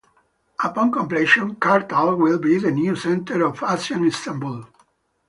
Upon completion, Kartal will be the new centre of Asian Istanbul.